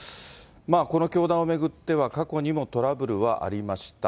この教団を巡っては、過去にもトラブルはありました。